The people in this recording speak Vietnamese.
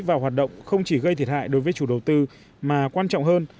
vào hoạt động không chỉ gây thiệt hại đối với chủ đầu tư mà quan trọng hơn